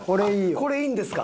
これいいんですか？